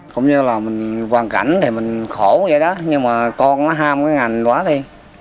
cũng như là mình hoàn cảnh thì mình khổ vậy đó nhưng mà con nó ham cái ngành quá đi